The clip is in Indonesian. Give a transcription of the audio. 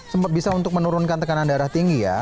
sempat bisa untuk menurunkan tekanan darah tinggi ya